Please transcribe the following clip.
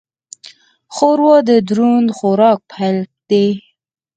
ښوروا د دروند خوراک پیل دی.